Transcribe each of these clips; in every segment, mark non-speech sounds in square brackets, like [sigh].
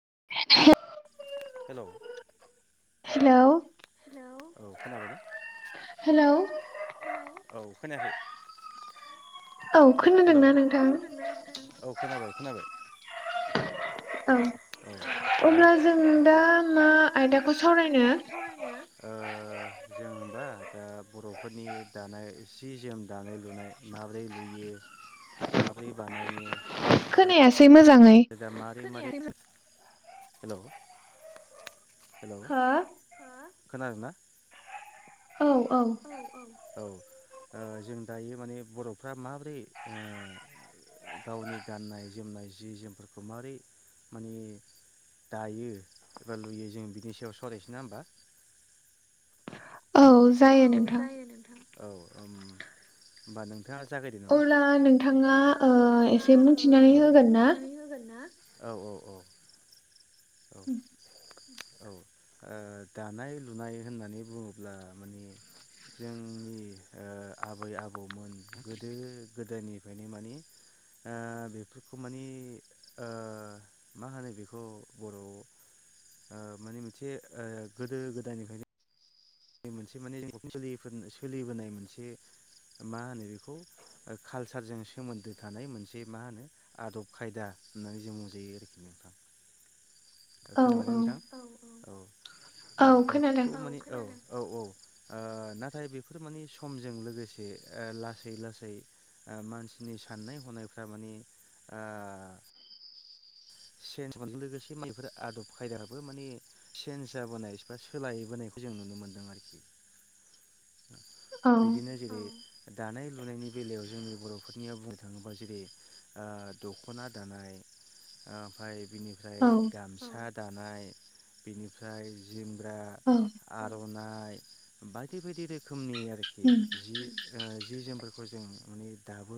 [inaudible] हेल' hello औ खोनाबाय ना? हेल' औ खोनायाखै हेल' औ खोनाबाय खोनाबाय औ अब्ला जों दा मा आयदाखौ सावरायनो? जों होनबा दा बर'फोरनि दानाय सि जोम दानाय लुनाय माबोरै लुयो माब्रै बानायो खोनायासै [unintelligible] हेल' खोनादोंना? औ औ औ ओ जों दायो माने बर'फ्रा माबोरै ओ गावनि गाननाय जोमनाय जि जोमफोरखौ मारै माने दायो एबा लुयो जों बिनि सायाव सावरायसै नंङा होनबा औ जायो नोंथां औ ओम होमबा नों थांङा जागायदो नामा? अब्ला नोंथाङा ओ एसे बुंथिनानै होगोन ना? औ औ औ औ औ ओ दानाय लुनाय होननानै बुङोब्ला [inaudible] जोंनि ओ आबै आबौमोन गोदो गोदायनिफ्रायनो माने ओ बेफोरखौ माने ओ मा होनो बेखौ बर' ओ माने मोनसे ओ गोदो गोदायनिफ्रायनो मोनसे माने सोलिबोनाय मोनसे मा होनो बेखौ कालसारजों सोमोन्दो थानाय मोनसे मा होनो आदब खायदा। होननानै जों बुंजायो आरोखि नोंथां। दा खोनाबाय नोंथां औ औ बेफोरखौ माने औ औ औ ओ नाथाय बेफोर माने समजों लोगोसे ओ लासै लासै ओ मानसिनि साननाय हनायफ्रा माने ओ चेन्स [unintelligible] मोनजों लोगोसे मानेफोर आदब खायदाबो माने चेन्ज जाबोनाय बा सोलायबोनायखौ जों नुनो बिदिनो जेरै दानाय लुनायनि बेलायाव जोंनि बर'फोरनिया बुंनो थाङोबा जेरै ओ दख'ना दानाय ओ ओमफ्राय बिनिफ्राय गामसा दानाय बेनिफ्राय जोमब्रा आर'नाइ बायदि बायदि रोखोमनि आरोखि जि ओ जि जोमफोरखौ जों माने दाबो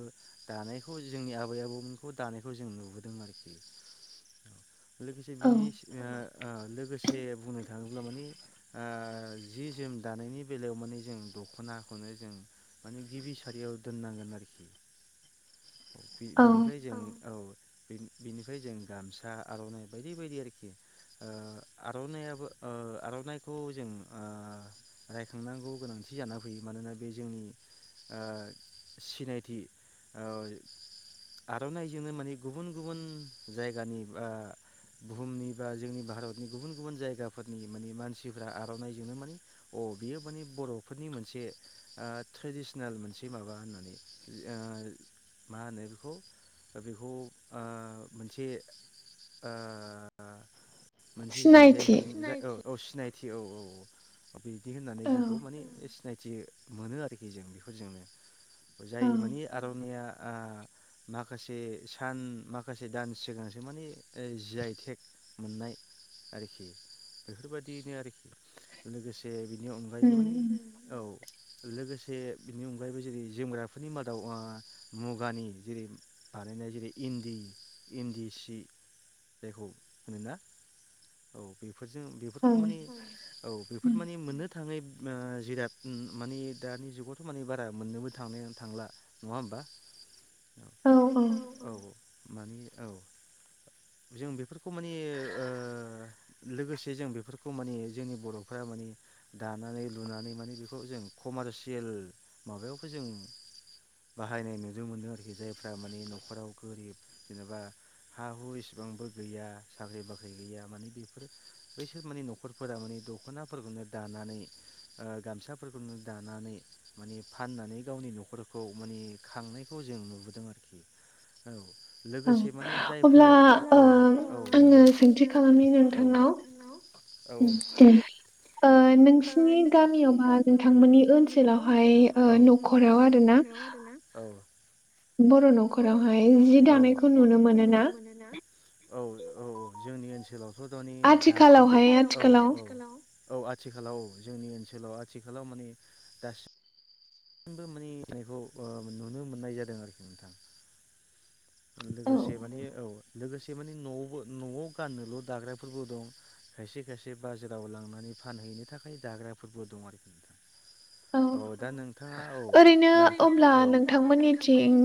दानायखौ जोंनि आबै आबौमोनखौ दानायखौ जों नुबोदों आरोखि लोगोसे बिनि ओ ओ लोगोसे बुंनो थाङोब्ला मानि ओ जि जोम दानायनि बेलायाव माने जों दख'नाखौनो जों माने गिबि सारि बेयाव दोननांगोन आरोखि बे-बेनिफ्राय जों औ बिनिफ्राय जों गामसा, आर'नाइ बायदि बायदि आरोखि ओ आर'नायाबो ओ आर'नाइखौ जों ओ रायखांनांगौ गोनां थि जाना फैयो मानोना बे जोंनि ओ सिनायथि ओ आर'नाइजोंनो माने गुबुन गुबुन जायगानि बा बुहुमनि बा जोंनि भारतनि गुबुन गुबुन जायगाफोरनि माने मानसिफ्रा आर'नाइजोंनो माने औ बियो माने बरफोरनि मोनसे ओ ट्रेडिसनेल मोनसे ओ माबा होननानै ओ मा होनो बेखौ बेखौ ओ मोनसे ओ मोनसे जि जायखौ जों औ औ सिनायथि औ औ औ बिदि होननानै जोंखौ माने सिनायथि मोनो आरोखि जों बेफोरजोंनो। जाय मानि आर'नाया आ‌ माखासे सान माखासे दान सिगांसो माने जियइ थेक मोननाय आरोखि बेफोरबायदिनो आरोखि लोगोसे बेनि अनगायैबो माने औ लोगोसे बिनि अनगायैबो जेरै जोमग्राफोरनि मादाव ओ मुगानि जेरै जेर इ न्दि इन्दि सि जायखौ होनो ना औ बेफोर बे फोरजों बेफोरखौ माने औ बेफोर माने मोननो थाङै ओ जिराद माने दानि जुगावथ' माने बारा मोननोबो थांनो थां ला नङा होमबाबा? औ औ मानि औ जों बेफोरखौ माने ओ लोगोसे जों बेफोरखौ माने जोंनि बर'फ्रा माने दानानै लुनानै मानि बेफोरखौ जों कमारसियेल माबायावबो जों बाहायनाय नुनो मोनो आरोखि जायफ्रा माने नख'राव गोरिब जेनेबा हा हु एसिबांबो गैया साख्रि बाख्रि गैया माने बेफोर बैसोर माने नख'रफोरा माने दखना फोरखौनो दानानै ओ गामसाफोरखौनो दानानै माने फाननानै गावनि नि न'खरखौ माने खांनायखौ जों नुबोदों आरोखि औ। लोगोसे माने जायफोर दं औ औ नंगौ औ औ ओ नोंसिनि गामियाव बा नोंथांमोननि ओनसोलावहाय ओ न'खराव आरोना खराव आरोना बर' नखरावहाय [inaudible] [inaudible] औ आथिखालाव औ जोंनि ओनसोलाव आथिखालाव माने दासि सिमबो माने जनायखौ नुनो मोननाय जादों आरोखि नोंथां लोगोसे माने औ लोगोसे माने न'आवबो न'आव गाननोल' दाग्राफोरबो दं खायसे खायसे बाजाराव लांनानै फानहैनो थाखाय जाग्राफोरबो दं आरो औ दा नों ओरैनो अब्ला नोंथांमोननिथिं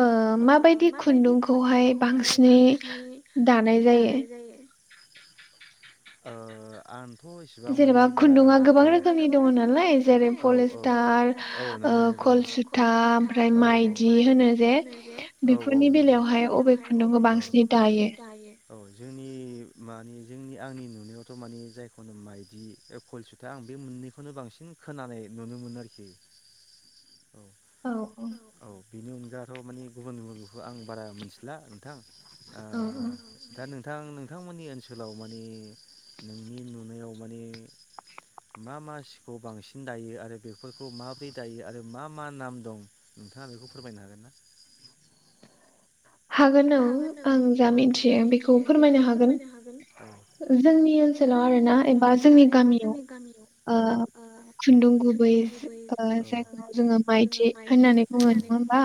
ओ माबायदि माबायदि खुन्दुंखौहाय बांसिनै दानाय जायो ओ आं [inaudible] खल सुथा ओमफ्राय माइदि होनो जे औ औ बेफोरनि बेलायावहाय औ अबे खुन्दुंखौ बांसिनै दायो औ जोंनि मानि जोंनि आंनि नुनायावथ मानि जायखौनो माइदि कलसुथा आं बे मोननैखौनो बांसिन खोनानाय नुनो मोनो आरोखि [inaudible] औ औ बेनि अन दाथ' माने गुबुन गुबुनखौ आं बारा मिथिला नोंथां दा नोंथां नोंथांमोननि ओनसोलाव माने नोंनि नुनायाव माने मा मा सिखौ बांसिन दायो आरो बेफोरखौ माबोरै दायो आरो मा मा नाम दं नोंथाङा बेखौ फोरमायनो हागोन ना हागोन औ आं जा मिथियो बेखौ फोरमायनो हागोन जोंनि ओनसोल लाव आरो ना एबा जोंनि गामियाव खुन्दुं गुबै ओ जायगायाव जोङो माइदि होननानै बुङो नङा होमबा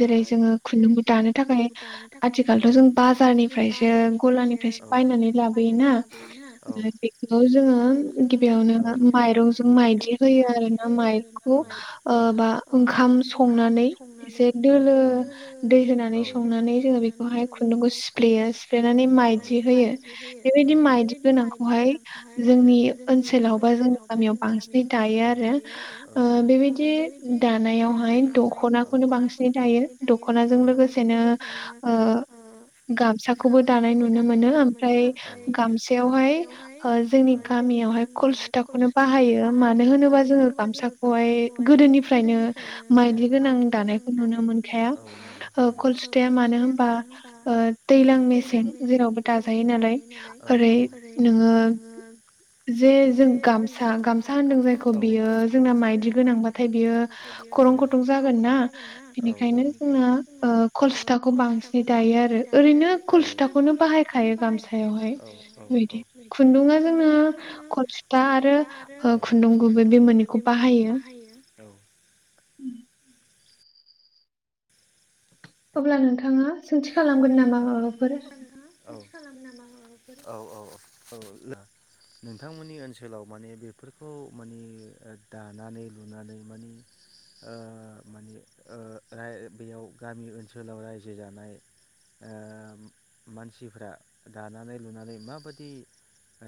जेरै जोङो खुन्दुंखो दानो थाखाय आथिखालथ' जों बाजारनिफ्रायसो गलानिफ्रायसो बायनानै लाबोयोना बेखौ जोङो गिबियावनो माइरंजों माइदि होयो आरो ना माइ खौ बा ओंखाम संनानै एसे दोलो दै होनानै संनानै जोङो बेखौहाय खुन्दुंखौ सिप्लेयो सिप्लेनानै माइदि होयो बे बिदि माइदि गोनांखौहाय जोंनि ओनसोलाव बा जोंनि गामियाव बांसिनै दायो आरो ओ बेबायदि दानायावहाय दख'नाखौनो बांसिन दायो दखना जों लोगोसेनो ओ गामसाखौबो दानाय नुनो मोनो ओमफ्राय गामसायावहाय जोंनि गामिया आवहाय थलसुथाखौनो बाहायो मानो होनोबा जोङो गामसाखौहाय गोदोनिफ्रायनो माइदि गोनां दानायखौ नुनो मोनखाया खलसुथाया मानो होनबा दैज्लां मेसें जेरावबो दाजायो नालाय ओरै नोङो जे जों गामसा गामसा होनदों जायखौ बियो जोंना माइदि गोनांबाथाय बियो खरां खथं जागोन ना बिनिखायनो ओ खल सुथाखौ बांसिनै दायो आरो ओरैनो खल सिुथाखौनो बाहायखायो गामसायावहाय बिदि खुन्दुंआ जोंना खल सुथा आरो खुन्दुं गुबै बे मोनो बे मोननैखौ बाहायो औ उम अब्ला नोंथाङा सोंथि खालामगोन नामा माबाफोर औ औ औ औ नोंथांमोननि ओनसोलाव माने बेफोरखौ माने दानानै लुनानै माने ओ मानि बेयाव गामि ओनसोलाव रायजो जानाय ओ मानसिफ्रा दानानै लुनानै माबादि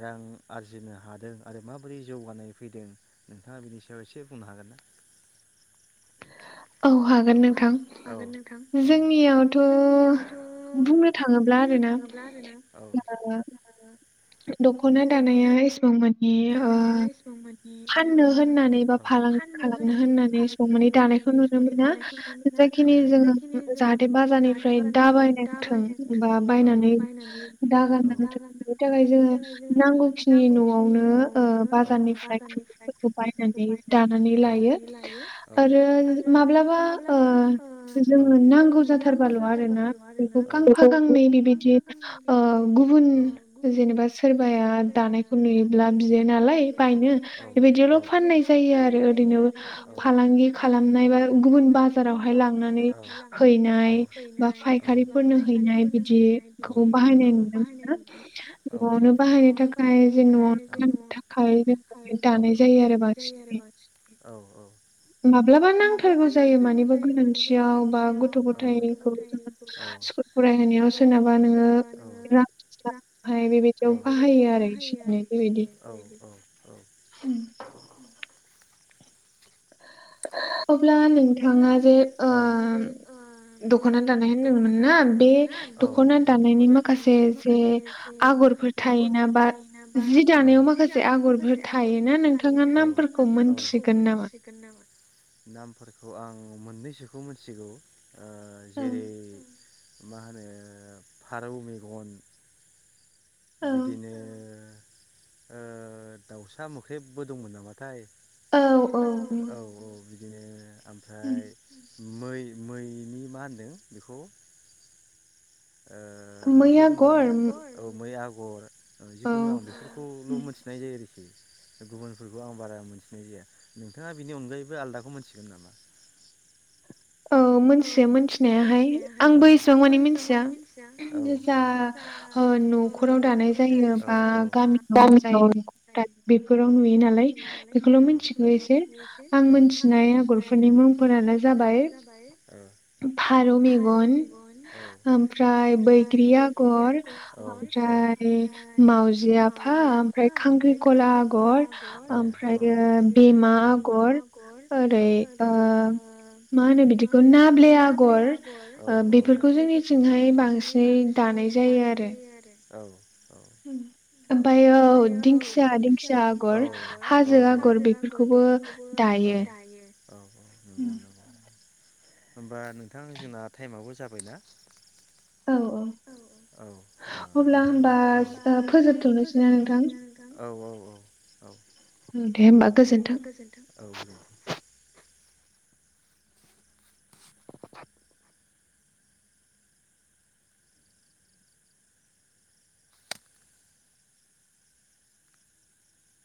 रां आरजिनो हादों आरो माबोरै जौगानाय फैदों नोंथाङा बिनि सायाव एसे बुंनो हागोन ना? [inaudible] औ हागोन नोंथां। हागोन नोंथां जोंनियावथ' बुंनो थाङोब्ला आरोना ओ दख'ना दानाया एसेबांमोन दानाया एसेबांमोन। फाननो होननानै बा फालांगि खालामनो होननानै संनानै दानायखौ नुनो मोना जायखिनि जोङो जाहाथे बाजारनिफ्राय दाबायनांथों बा बायनानै दागाननांथों बिनि थाखाय जोङो नांगौखिनि न'आवनो ओ बाजारनिफ्राय निफ्राय खुन्दुं फोरखौ बायनानै दानानै लायो आरो माब्लाबा जोङो नांगौ जाथारबाल' आरोना बेखौ गांफा गांनै बेबायदि ओ ओ गुबुन जेनेबा सोरबाया दानायखौ नुयोब्ला बियो नालाय बायनो बेबायदियावल' फाननाय जायो आरो ओरैनो फालांगि खालामनाय बा गुबुन बाजारावहाय लांनानै हैनाय बा फायखारिफोरनो हैनाय बिदिखौ बाहायनाय नुनो मोनो। न'आवनो बाहायनो थाखाय जे न'आव [unintelligible] औ औ माब्लाबा नांथारगौ जायो मानिबा गोनांथियाव बा गथ' गथायखौ जों स्कुल फरायहोनायाव सोरनाबा नोङो रां [unintelligible] बेबायदियाव बाहायो आरो [unintelligible] औ औ औ [unintelligible] अब्ला नोंथाङा जे ओ दख'ना दानाय होन नङोमोन ना बे दख'ना दानायनि माखासे जे आगरफोर थायोना बा जि दा औ औ औ [unintelligible] नामफोरखौ आं मोननैसोखौ मिथिगौ ओ जेरै मा होनो फारौ मेगन बिदिनो ओ दाउसा मोख्रेबबो दंमोन नामाथाय? औ औ बिदिनो ओमफ्राय मै मैनि मा होनदों बेखौ? ओ मोनसे दंबावो [unintelligible] औ मै आगर जिखुनु आं बेफोरखौल' मिथिनाय जायो आरोखि। गुबुनफोरखौ आं बारा मोनथिनाय जाया नोंथाङा बेनि अनगायैबो आलदाखौ मोनथिगोन नामा? [unintelligible] औ मोनथियो मोनथिनायाहाय आंबो एसेबां मानि मिथिया जा ओ न'खराव दानाय जायो बा गामियाव जाय नखराव दायो बेफोराव नुयो नालाय बेखौल' मिथिखौ एसे आं मोनथिनाय आगरफोरनि मुंफोरानो जाबाय ओ फारौ मेगन ओमफ्राय बैग्रि आगर ओमफ्रा फाय माउजि आफा ओमफ्राय खांख्रिखला आगर ओमफ्रायो बेमा आगर ओरै ओ मा होनो बि दिखौ नाब्ले आगर ओ बेफोरखौ जोंनिथिंहाय बांसिनै दानाय जायो आरो [unintelligible] हम ओमफायो औ दिंखिया दिंखिया आगर हाजो आगर बेफोरखौबो दा औ औ औ नंगौ होमबा नोंथां जोंना टाइमाबो जाबायना औ औ औ ओ [unintelligible] नोंथां औ औ औ औ दे [unintelligible] औ गोजोनथों।